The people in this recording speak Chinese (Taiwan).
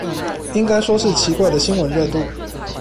應該說是奇怪的新聞熱度